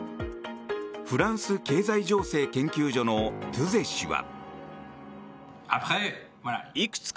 フランス経済情勢研究所のトゥゼ氏は。